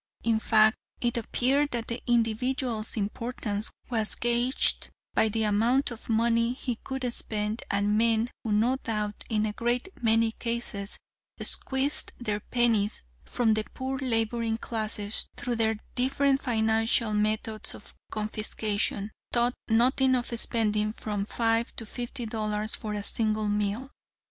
In fact, it appeared that the individual's importance was gauged by the amount of money he could spend, and men who no doubt in a great many cases squeezed the pennies from the poor laboring classes through their different financial methods of confiscation, thought nothing of spending from five to fifty dollars for a single meal.